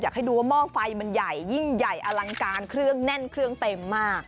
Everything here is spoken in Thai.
อยากให้ดูว่าหม้อไฟมันใหญ่ยิ่งใหญ่อลังการเครื่องแน่นเครื่องเต็มมาก